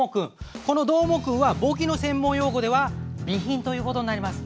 このどーもくんは簿記の専門用語では備品という事になります。